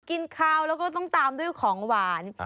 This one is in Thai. กินข้าวแล้วก็ต้องตามด้วยของหวาน